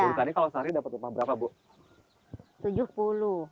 buruh tani kalau sehari dapat berapa bu